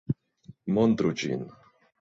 Montru ĝin!